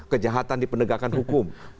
kejahatan di penegakan hukum